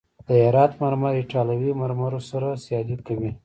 د هرات مرمر ایټالوي مرمرو سره سیالي کوي.